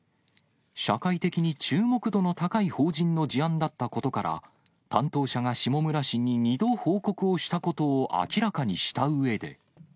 社会的に注目度の高い法人の事案だったことから、担当者が下村氏に２度報告をしたことを明らかにしたうえで。